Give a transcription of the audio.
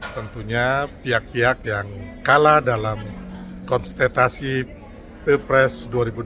tentunya pihak pihak yang kalah dalam konstetasi pilpres dua ribu dua puluh